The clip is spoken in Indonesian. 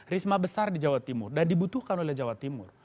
risma besar di jawa timur dan dibutuhkan oleh jawa timur